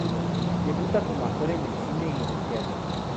Debuta como actor en el cine y en el teatro.